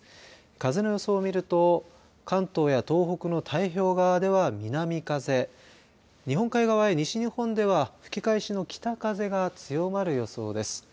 風の予想を見ると関東や東北の太平洋側では南風日本海側や西日本では吹き返しの北風が強まる予想です。